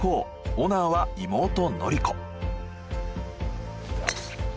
オナーは妹宣子。